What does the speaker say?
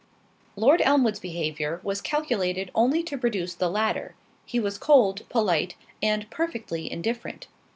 Lord Elmwood's behaviour was calculated only to produce the latter—he was cold, polite, and perfectly indifferent.